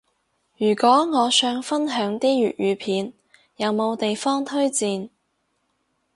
如果我想分享啲粵語片，有冇地方推薦？